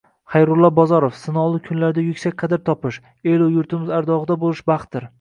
Xayrullo Bozorov: “Sinovli kunlarda yuksak qadr topish, elu yurtimiz ardog‘ida bo‘lish baxtdir”